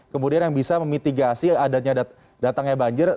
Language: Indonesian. kemudian yang bisa memitigasi adanya datangnya banjir